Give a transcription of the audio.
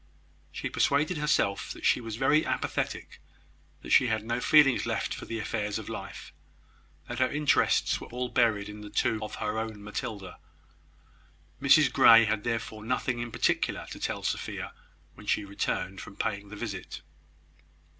She persuaded herself that she was very apathetic that she had no feelings left for the affairs of life that her interests were all buried in the tomb of her own Matilda. Mrs Grey had therefore nothing in particular to tell Sophia when she returned from paying the visit.